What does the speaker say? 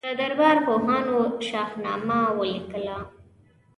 د دربار پوهانو شاهنامه ولیکله.